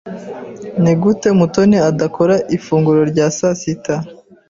Nigute Mutoni adakora ifunguro rya sasita?